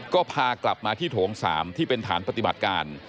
ก็พากลับมาที่โถง๓ที่เป็นฐานปฏิบัติการ